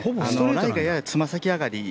ライがややつま先上がり。